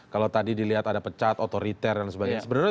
kalau tadi dilihat ada pecat otoriter dan sebagainya